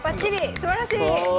すばらしい！